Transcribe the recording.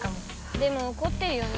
でもおこってるよね？